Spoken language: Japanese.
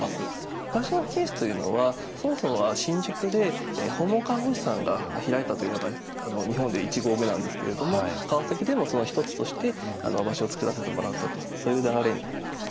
「暮らしの保健室」というのはそもそもは新宿で訪問看護師さんが開いたというのが日本で１号目なんですけれども川崎でもその一つとして場所を作らせてもらったとそういう流れになります。